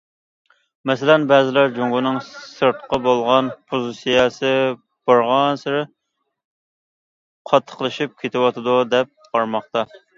مەسىلەن، بەزىلەر جۇڭگونىڭ سىرتقا بولغان پوزىتسىيەسى بارغانسېرى قاتتىقلىشىپ كېتىۋاتىدۇ، دەپ قارىماقتا.